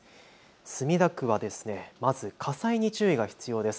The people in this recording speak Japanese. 墨田区は、まず火災に注意が必要です。